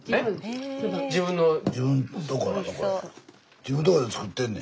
自分とこで作ってんねん。